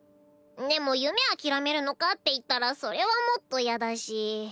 でも夢諦めるのかっていったらそれはもっとやだし。